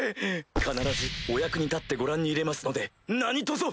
必ずお役に立ってご覧に入れますので何とぞ。